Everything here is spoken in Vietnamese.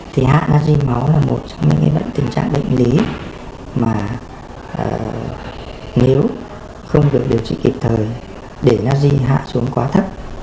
thì hạ nát ri máu là một trong những tình trạng định lý mà nếu không được điều trị kịp thời để nát ri hạ xuống quá thấp